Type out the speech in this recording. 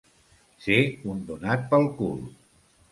Ser un donat pel cul.